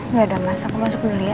udah dah masa aku masuk dulu ya